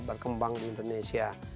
berkembang di indonesia